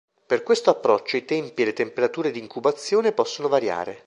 Per questo approccio i tempi e le temperature di incubazione possono variare.